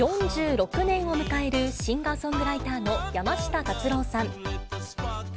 ４６年を迎えるシンガーソングライターの山下達郎さん。